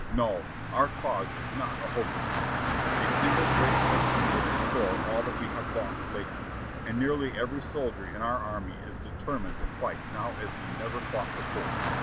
No, our cause is not a hopeless one. A single great victory would restore all that we have lost lately, and nearly every soldier in our army is determined to fight now as he never fought before.